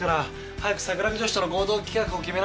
早く桜木女子との合同企画を決めないと。